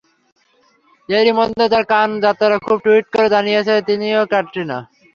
এরই মধ্যে তাঁর কান যাত্রার খবর টুইট করে জানিয়েও দিয়েছেন ক্যাটরিনা।